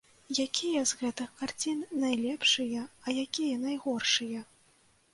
Якія з гэтых карцін найлепшыя, а якія найгоршыя?